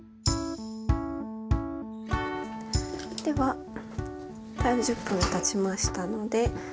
では３０分たちましたので。